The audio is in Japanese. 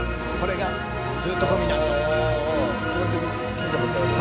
聴いたことある。